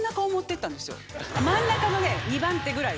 真ん中のね２番手ぐらいを。